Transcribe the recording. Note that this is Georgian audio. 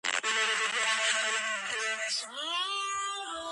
არაბებმა ციხე ვერ აიღეს და უკან დაბრუნდნენ.